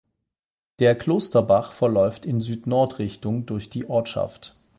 Der Klosterbach verläuft in Süd-Nord-Richtung durch die Ortschaft.